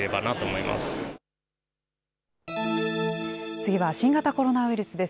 次は新型コロナウイルスです。